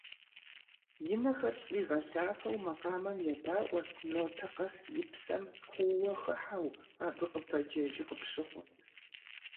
И нэхэр щӏригъэлъафэу макъамэм едаӀуэрт, нотэ къэс и псэм куууэ хыхьэу, абы къыпэджэжу къыпщыхъурт.